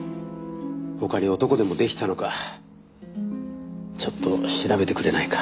他に男でも出来たのかちょっと調べてくれないか？